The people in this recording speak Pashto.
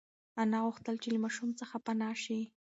انا غوښتل چې له ماشوم څخه پنا شي.